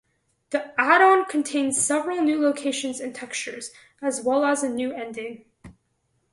The add-on contains several new locations and textures, as well as a new ending.